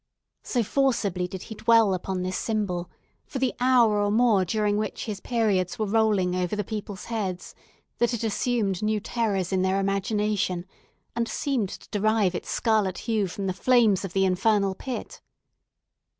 So forcibly did he dwell upon this symbol, for the hour or more during which his periods were rolling over the people's heads, that it assumed new terrors in their imagination, and seemed to derive its scarlet hue from the flames of the infernal pit.